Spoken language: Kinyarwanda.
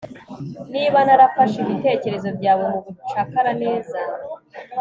Niba narafashe ibitekerezo byawe mubucakara neza